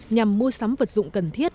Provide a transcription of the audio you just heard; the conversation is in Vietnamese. nhằm mua sắm vật dụng cần thiết